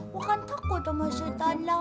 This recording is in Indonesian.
gue kan takut sama setan loh